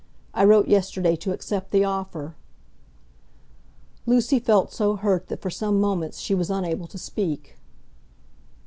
I wrote yesterday to accept the offer." Lucy felt so hurt that for some moments she was unable to speak.